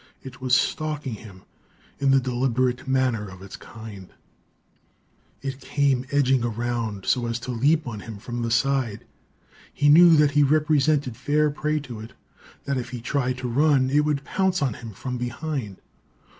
It was stalking him in the deliberate manner of its kind! It came edging around, so as to leap on him from the side. He knew that he represented fair prey to it; that if he tried to run, it would pounce on him from behind.